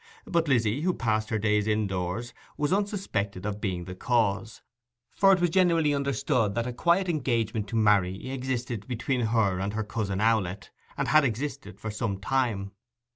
But Lizzy, who passed her days indoors, was unsuspected of being the cause: for it was generally understood that a quiet engagement to marry existed between her and her cousin Owlett, and had existed for some time.